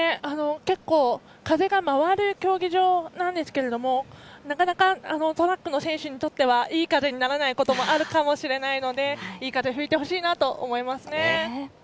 結構、風が回る競技場なんですけどもなかなかトラックの選手にとってはいい風にならないこともあるかもしれないのでいい風、吹いてほしいと思います。